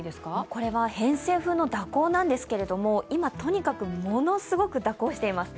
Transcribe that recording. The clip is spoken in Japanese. これは偏西風の蛇行なんですけれども今、ものすごく蛇行しています。